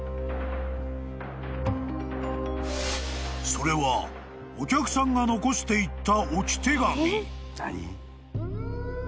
［それはお客さんが残していった］